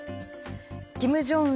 キム・ジョンウン